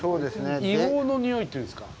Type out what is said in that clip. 硫黄のにおいというんですか。